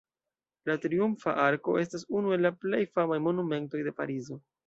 La Triumfa Arko estas unu el la plej famaj monumentoj de Parizo.